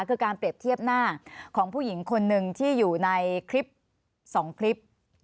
คือการเปรียบเทียบหน้าของผู้หญิงคนหนึ่งที่อยู่ในคลิป๒คลิป